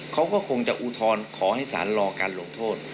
เขาก็คงจะอุทธรณ์ขอให้สารรอการลงโทษ